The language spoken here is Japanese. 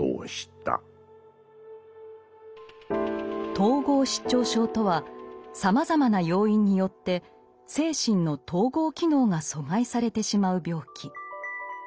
統合失調症とはさまざまな要因によって精神の統合機能が阻害されてしまう病気。